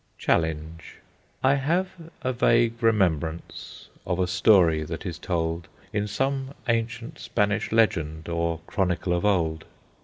CHALLENGE I have a vague remembrance Of a story that is told In some ancient Spanish legend Or chronicle of old.